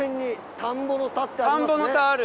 田んぼの田ある！